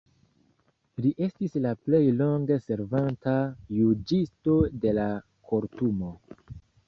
Li estis la plej longe servanta juĝisto de la Kortumo.